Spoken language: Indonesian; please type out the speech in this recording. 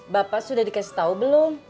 bapak sudah dikasih tahu belum